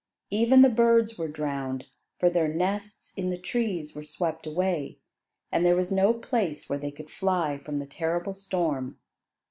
Even the birds were drowned, for their nests in the trees were swept away, and there was no place where they could fly from the terrible storm.